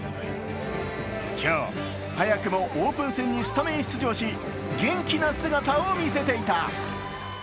今日、早くもオープン戦にスタメン出場し、元気な姿を見せていた。